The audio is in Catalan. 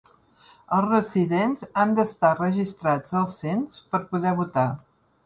Els residents han d'estar registrats al cens per poder votar.